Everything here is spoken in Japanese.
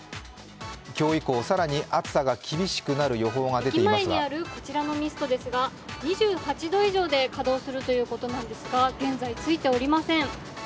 今日以降、更に暑さが厳しくなる予報が出ていますが駅前にある、こちらのミストですが２８度以上で稼働するということなんですが、現在ついておりません。